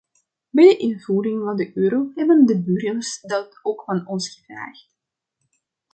Bij de invoering van de euro hebben de burgers dat ook van ons gevraagd.